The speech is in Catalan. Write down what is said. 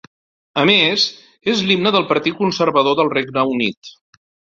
A més, és l'himne del Partit Conservador del Regne Unit.